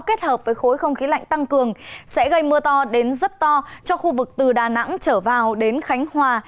kết hợp với khối không khí lạnh tăng cường sẽ gây mưa to đến rất to cho khu vực từ đà nẵng trở vào đến khánh hòa